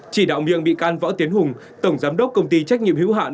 chỉ đạo miệng bị can võ tiến hùng tổng giám đốc công ty trách nhiệm hữu hạn